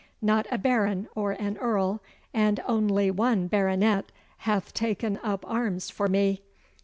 Not a baron or an earl, and only one baronet, hath taken up arms for me.